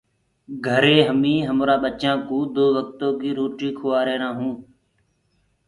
ڪري هميٚنٚ همرآ ٻچآنٚ ڪوٚ دو وڪتآنٚ ڪيٚ روُٽي کُواهيرآئونٚ۔